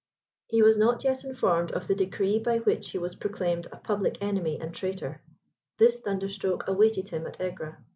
He was not yet informed of the decree by which he was proclaimed a public enemy and traitor; this thunder stroke awaited him at Egra.